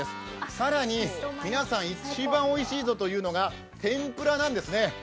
更に皆さん一番おいしいぞというのが天ぷらなんですね。